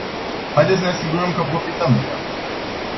Haideți să ne asigurăm că profităm de ea.